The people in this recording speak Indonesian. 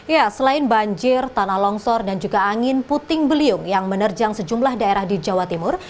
ya selain banjir tanah longsor dan juga angin puting beliung yang menerjang sejumlah daerah di jawa timur